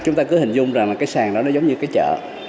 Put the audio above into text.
chúng ta cứ hình dung rằng là cái sàn đó nó giống như cái chợ